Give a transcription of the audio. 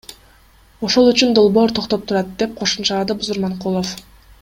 Ошол үчүн долбоор токтоп турат, — деп кошумчалады Бузурманкулов.